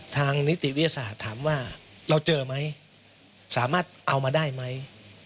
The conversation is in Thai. นิติวิทยาศาสตร์ถามว่าเราเจอไหมสามารถเอามาได้ไหม